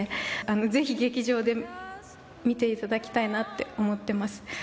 ぜひ劇場で見ていただきたいなって思ってます。